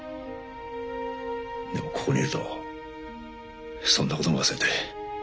でもここにいるとそんなことも忘れて。